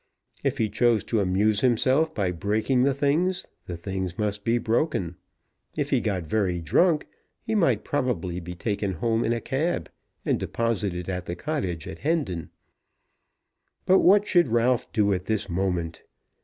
If he chose to amuse himself by breaking the things, the things must be broken. If he got very drunk, he might probably be taken home in a cab, and deposited at the cottage at Hendon. But what should Ralph do at this moment?